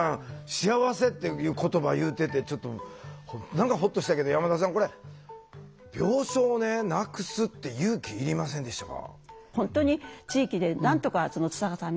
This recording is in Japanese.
幸せっていう言葉言うててちょっと何かほっとしたけど山田さんこれ病床をなくすって勇気いりませんでしたか？